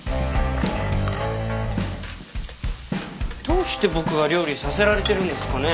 どうして僕が料理させられてるんですかね。